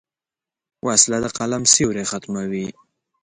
وسله د قلم سیوری ختموي